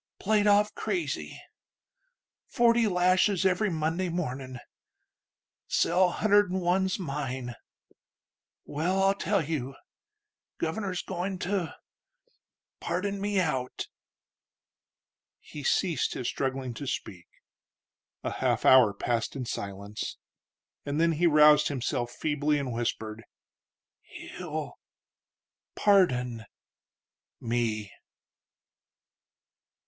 played off crazy.... Forty lashes every Monday ... mornin'.... Cell hunder'd'n one's mine.... Well, I'll tell you: Governor's goin' to ... pardon me out." He ceased his struggling to speak. A half hour passed in silence, and then he roused himself feebly and whispered: "He'll ... pardon ... me."